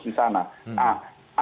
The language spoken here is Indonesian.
rondjakan kasus disana